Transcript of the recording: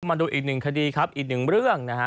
มาดูอีกหนึ่งคดีครับอีกหนึ่งเรื่องนะฮะ